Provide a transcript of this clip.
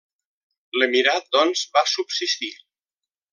L'emirat doncs va subsistir.